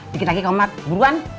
dikit lagi kalo mat buruan